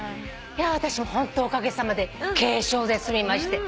私もホントおかげさまで軽症で済みまして。